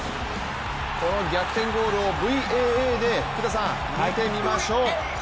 この逆転ゴールをＶＡＡで見てみましょう。